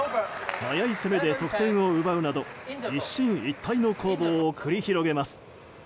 速い攻めで得点を奪うなど一進一退の攻防を繰り広げます。